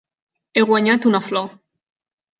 He guanyat una flor.